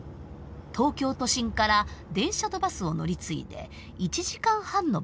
東京都心から電車とバスを乗り継いで１時間半の場所にあります。